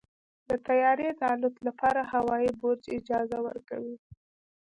د طیارې د الوت لپاره هوايي برج اجازه ورکوي.